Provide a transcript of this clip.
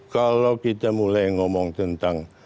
kalau kita mulai ngomong tentang